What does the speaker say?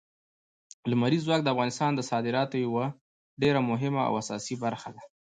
لمریز ځواک د افغانستان د صادراتو یوه ډېره مهمه او اساسي برخه ده.